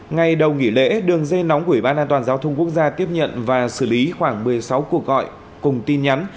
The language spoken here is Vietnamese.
ngày đầu nghỉ lễ đường dây nóng của ủy ban an toàn giao thông quốc gia tiếp nhận và xử lý khoảng một mươi sáu cuộc gọi cùng tin nhắn